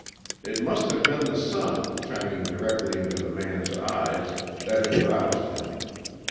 It must have been the sun, shining directly into the man's eyes, that had roused him.